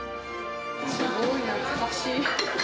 すごい懐かしい。